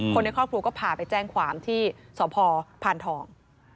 คนในครอบครัวก็พาไปแจ้งความที่สพพานทอง